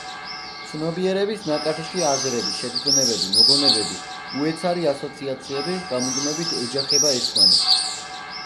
ცნობიერების ნაკადში აზრები, შეგრძნებები, მოგონებები, უეცარი ასოციაციები გამუდმებით ეჯახება ერთმანეთს.